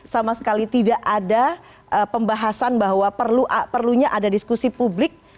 sama sekali tidak ada pembahasan bahwa perlunya ada diskusi publik